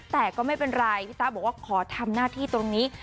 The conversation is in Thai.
แต่ก็ไม่เป็นไรพี่ต้าบอกว่าขอทำหน้าที่ตรงนี้